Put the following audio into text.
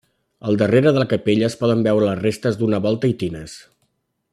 Al darrere de la capella es poden veure les restes d'una volta i tines.